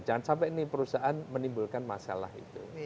jangan sampai ini perusahaan menimbulkan masalah itu